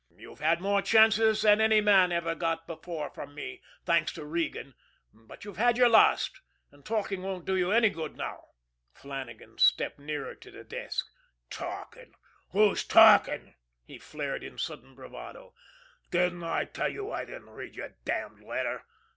"You've had more chances than any man ever got before from me, thanks to Regan; but you've had your last, and talking won't do you any good now." Flannagan stepped nearer to the desk. "Talkin'! Who's talkin'?" he flared in sudden bravado. "Didn't I tell you I didn't read your damned letter?